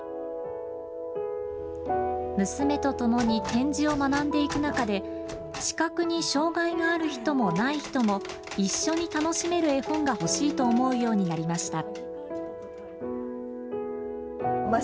娘とともに点字を学んでいく中で、視覚に障害がある人もない人も一緒に楽しめる絵本が欲しいと思うようになりました。